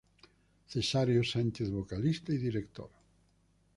Cesáreo Sánchez-Vocalista y director.